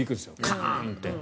カーンって。